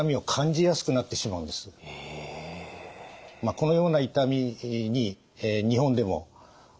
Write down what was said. このような痛みに日本でも昨年ですね